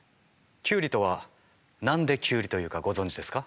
キュウリとは何でキュウリというかご存じですか？